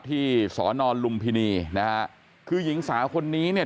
สอนอนลุมพินีนะฮะคือหญิงสาวคนนี้เนี่ย